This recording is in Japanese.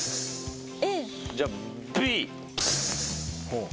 じゃあＢ。